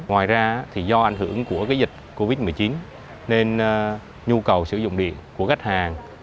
ngoài ra do ảnh hưởng của dịch covid một mươi chín nên nhu cầu sử dụng điện của khách hàng